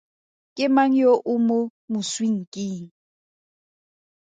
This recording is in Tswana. Ke mang yo o mo moswinking?